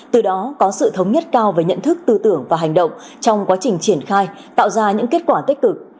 từ đó có sự thống nhất cao về nhận thức tư tưởng và hành động trong quá trình triển khai tạo ra những kết quả tích cực